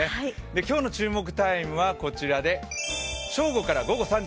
今日の注目タイムはこちらで正午から午後３時。